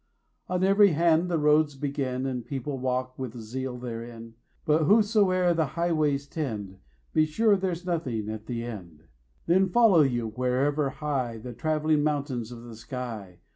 On every hand the roads begin, And people walk with zeal therein; But whereso'er the highways tend, Be sure there's nothing at the end. 20 Then follow you, wherever hie The travelling mountains of the sky.